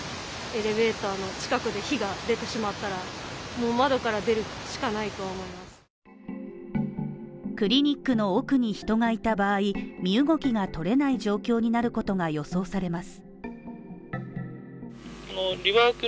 クリニックを知る人が口々に語ったのがクリニックの奥に人がいた場合、身動きが取れない状況になることが予想されます。